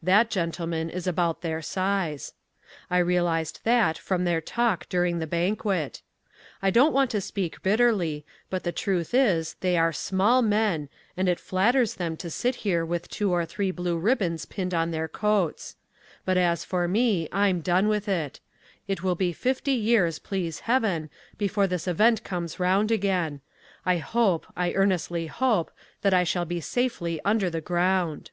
That, gentlemen, is about their size. I realized that from their talk during the banquet. I don't want to speak bitterly, but the truth is they are SMALL men and it flatters them to sit here with two or three blue ribbons pinned on their coats. But as for me, I'm done with it. It will be fifty years, please heaven, before this event comes round again. I hope, I earnestly hope, that I shall be safely under the ground.